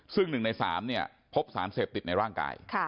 ซึ่ง๑ใน๓พบสารเสพติดในร่างกาย